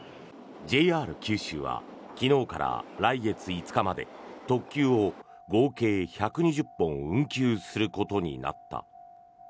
ＪＲ九州は昨日から来月５日まで特急を合計１２０本運休することになった。